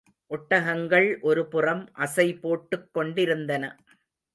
ஒட்டகங்கள் ஒருபுறம் அசைபோட்டுக் கொண்டிருந்தன.